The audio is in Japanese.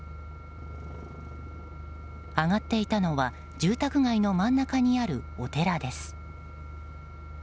上がっていたのは住宅街の真ん中にあるお寺です。